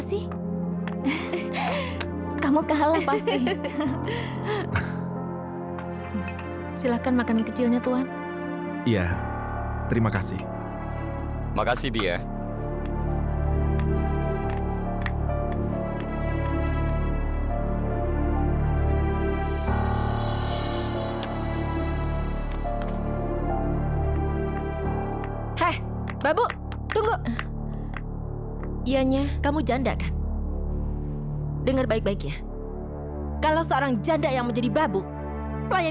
sampai jumpa di video selanjutnya